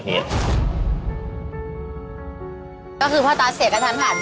ก็คือพ่อตาเสียกันทันผ่าน